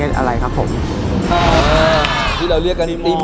อ๋อจัดลงมาเลย